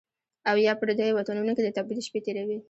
او یا، پردیو وطنونو کې د تبعید شپې تیروي